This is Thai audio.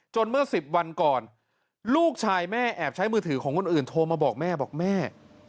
เมื่อ๑๐วันก่อนลูกชายแม่แอบใช้มือถือของคนอื่นโทรมาบอกแม่บอกแม่